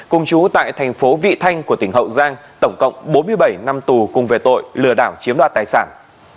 cùng chú tại thành phố vị thanh của tỉnh hậu giang tổng cộng bốn mươi bảy năm tù cùng về tội lừa đảo chiếm đoạt tài sản